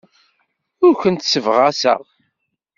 Ur kent-ssebɣaseɣ.